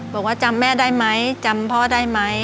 บอกว่าจำแม่ได้ไหมจำพ่อได้ไหม